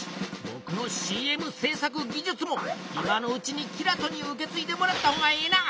ぼくのＣＭ制作技術も今のうちにキラトに受けついでもらったほうがええな。